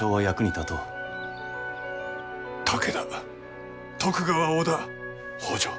武田徳川織田北条